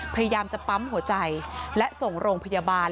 พยายามจะปั๊มหัวใจและส่งโรงพยาบาล